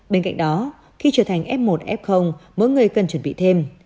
bên cạnh đó khi trở thành f một f mỗi người cần chuẩn bị thêm